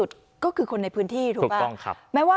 ใช่ค่ะ